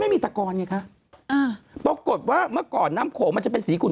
ตะกอนไงคะอ่าปรากฏว่าเมื่อก่อนน้ำโขงมันจะเป็นสีขุน